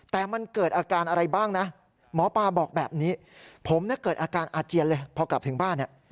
แต่มันเกิดอาการอะไรบ้างนะหมอปลาบอกแบบนี้ผมเนี่ยเกิดอาการอาเจียนเลยพอกลับถึงบ้านเนี่ย